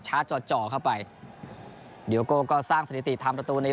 ชาดจ๋อจ๋อจ๋อก็ไปไดโยโกลก็สร้างสถิติทำรตรงใน